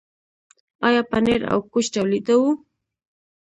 آیا پنیر او کوچ تولیدوو؟